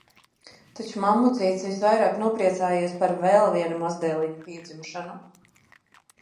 Taču mammucītis visvairāk nopriecājies par vēl viena mazdēliņa piedzimšanu.